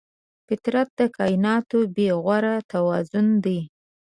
فطرت د کایناتو بېغوره توازن دی.